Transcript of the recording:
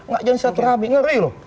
gak jalanin siatur rame ngeri loh